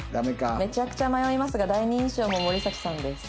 「めちゃくちゃ迷いますが第二印象も森咲さんです」